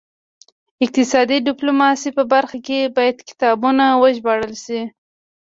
د اقتصادي ډیپلوماسي په برخه کې باید کتابونه وژباړل شي